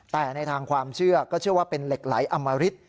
แต่ในทางความเชื่อก็เชื่อว่าเป็นเหล็กไหลอมริต